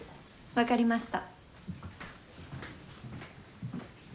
分かりました